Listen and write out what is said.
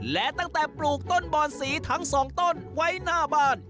และตั้งแต่ปลูกต้นบอนสีทั้งสองต้นไว้หน้าบ้าน